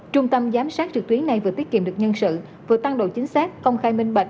trung tâm giám sát trực tuyến này vừa tiết kiệm được nhân sự vừa tăng độ chính xác công khai minh bạch